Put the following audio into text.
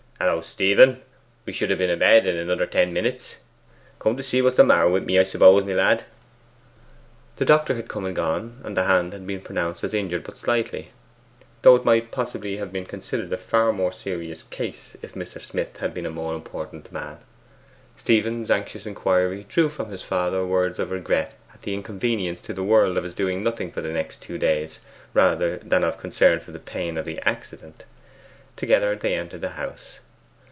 'Hallo, Stephen! We should ha' been in bed in another ten minutes. Come to see what's the matter wi' me, I suppose, my lad?' The doctor had come and gone, and the hand had been pronounced as injured but slightly, though it might possibly have been considered a far more serious case if Mr. Smith had been a more important man. Stephen's anxious inquiry drew from his father words of regret at the inconvenience to the world of his doing nothing for the next two days, rather than of concern for the pain of the accident. Together they entered the house.